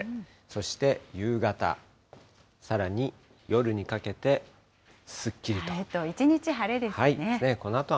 そして夕方、さらに夜にかけてすっきりと。